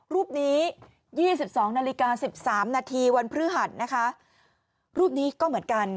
รูปนี้๒๒นาฬิกา๑๓นาทีวันพฤหัสนะคะรูปนี้ก็เหมือนกัน